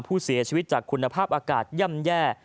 ผู้เสียชีวิตจากคุณภาพอากาศย่ำแย่